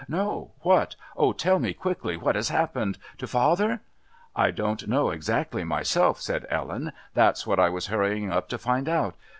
"No! What? Oh, tell me quickly! What has happened? To father " "I don't know exactly myself," said Ellen. "That's what I was hurrying up to find out....